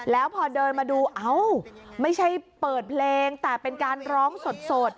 แล้วพอเดินมาดูเอ้าไม่ใช่เปิดเพลงแต่เป็นการร้องสด